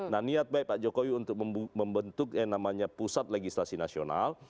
nah niat baik pak jokowi untuk membentuk yang namanya pusat legislasi nasional